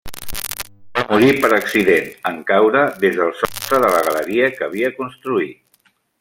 Va morir per accident, en caure des del sostre de la galeria que havia construït.